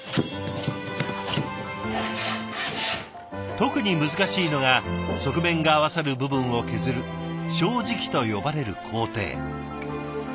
特に難しいのが側面が合わさる部分を削る「正直」と呼ばれる工程。